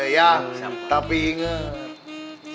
ya tapi inget